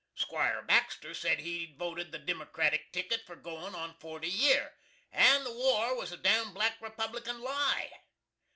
'Squire Baxter sed he'd voted the dimicratic ticket for goin on forty year, and the war was a dam black republican lie.